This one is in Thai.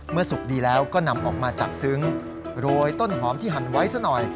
สุกดีแล้วก็นำออกมาจากซึ้งโรยต้นหอมที่หั่นไว้ซะหน่อย